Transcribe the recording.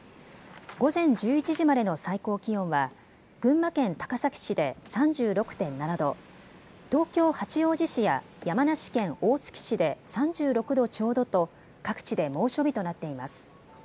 午前１１時までの最高気温は群馬県高崎市で３６．７度、東京八王子市や山梨県大月市で３６度ちょうどと各地で猛暑日となっています。